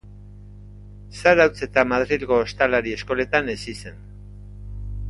Zarautz eta Madrilgo ostalari eskoletan hezi zen.